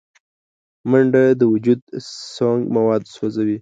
منډه د وجود سونګ مواد سوځوي